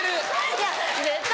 いや絶対。